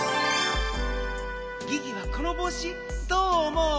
ギギはこのぼうしどうおもう？